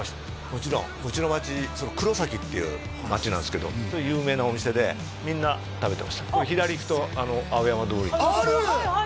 もちろんうちの町黒崎っていう町なんですけどすごい有名なお店でみんな食べてましたこれ左行くと青山通りある！